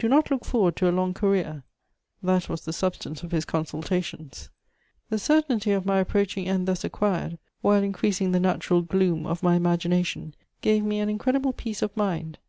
"Do not look forward to a long career:" that was the substance of his consultations. The certainty of my approaching end thus acquired, while increasing the natural gloom of my imagination, gave me an incredible peace of mind.